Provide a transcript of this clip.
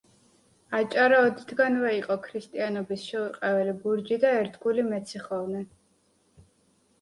აჭარა ოდითგანვე იყო ქრისტიანობის შეურყეველი ბურჯი და ერთგული მეციხოვნე.